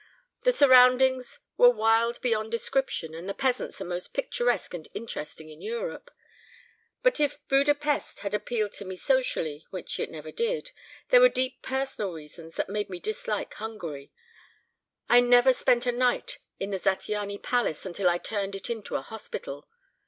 The surroundings were wild beyond description and the peasants the most picturesque and interesting in Europe. But even if Buda Pesth had appealed to me socially, which it never did, there were deep personal reasons that made me dislike Hungary I never spent a night in the Zattiany palace until I turned it into a hospital.